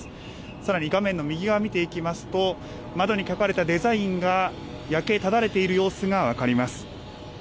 さらに、画面の右側見ていきますと、窓に書かれたデザインが焼けただれている様子が分かります。